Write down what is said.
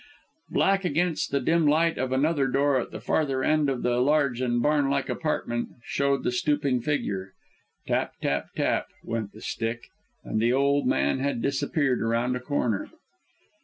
Black against the dim light of another door at the further end of the large and barn like apartment, showed the stooping figure. Tap, tap, tap! went the stick; and the old man had disappeared around a corner.